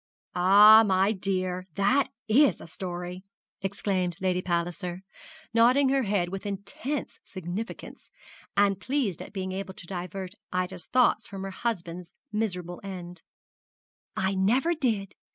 'Ah, my dear, that is a story!' exclaimed Lady Palliser, nodding her head with intense significance, and pleased at being able to divert Ida's thoughts from her husband's miserable end; 'I never did!